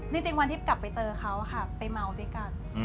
จริงวันที่กลับไปเจอเขาค่ะไปเมาด้วยกัน